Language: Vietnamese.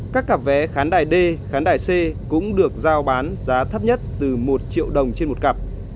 các cặp vé khán đài d khán đài c cũng được giao bán giá thấp nhất từ một triệu đồng trên một cặp